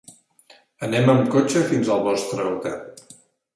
Anem amb cotxe fins al vostre hotel.